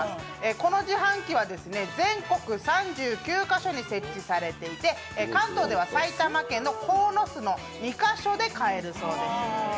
この自販機は全国３９カ所に設置されていて関東では埼玉県の鴻巣の２カ所で買えるそうです。